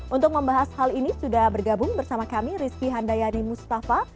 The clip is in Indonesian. untuk membahas hal ini sudah bergabung bersama kami rizky handayani mustafa